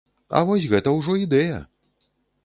А вось гэта ўжо ідэя!